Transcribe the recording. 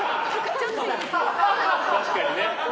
確かにね。